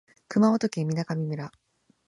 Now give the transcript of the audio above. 熊本県水上村